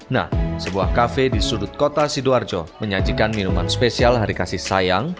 nah sebuah kafe di sudut kota sidoarjo menyajikan minuman spesial hari kasih sayang